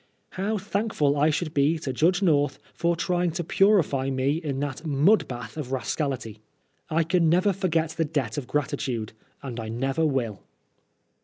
How thankful I should be to Judge North for trying to purify me in that mud bath of rascality. I can never forget the debt of gratitude — and I never will